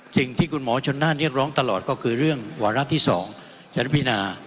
สิ่งที่คุณหมอชนน่านเรียกร้องตลอดก็คือเรื่องวาระที่๒จะได้พินา